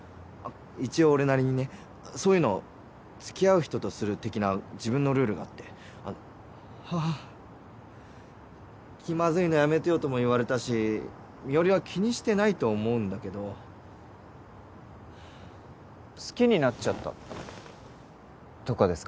一応俺なりにねそういうの付き合う人とする的な自分のルールがあってああ気まずいのやめてよとも言われたし美織は気にしてないと思うんだけど好きになっちゃったとかですか？